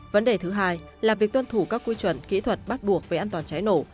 vấn đề thứ hai là việc tuân thủ các quy chuẩn kỹ thuật bắt buộc về an toàn cháy nổ